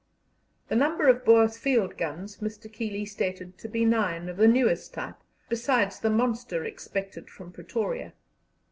The number of Boer field guns Mr. Keeley stated to be nine, of the newest type, besides the monster expected from Pretoria.